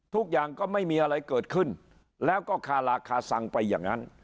ทุกอย่างก็ไม่มีอะไรเกิดขึ้นแล้วก็คาราคาซังไปอย่างนั้น